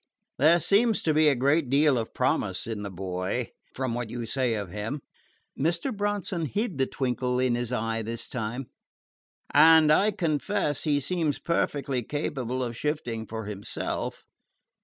"Hum! there seems to be a great deal of promise in the boy, from what you say of him." Mr. Bronson hid the twinkle in his eye this time. "And, I must confess, he seems perfectly capable of shifting for himself."